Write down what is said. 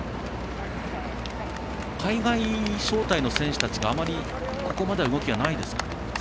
海外招待の選手たちが、あまりここまで動きがないですかね。